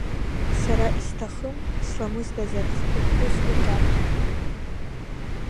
Сара исҭахым сламысдазарц уԥхәыс лҿаԥхьа.